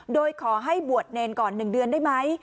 โดยขอให้บวชเนรก่อน๑เดือนได้ไหม